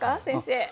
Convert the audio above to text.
先生。